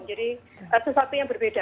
jadi sesuatu yang berbeda